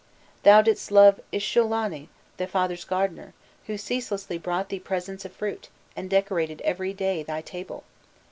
* Thou didst love Ishullanu, thy father's gardener, who ceaselessly brought thee presents of fruit, and decorated every day thy table.